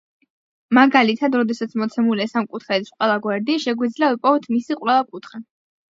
მაგალითად, როდესაც მოცემულია სამკუთხედის ყველა გვერდი, შეგვიძლია ვიპოვოთ მისი ყველა კუთხე.